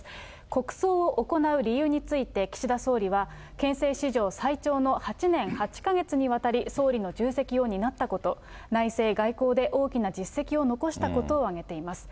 国葬を行う理由について、岸田総理は、憲政史上最長の８年８か月にわたり、総理の重責を担ったこと、内政・外交で大きな実績を残したことを挙げています。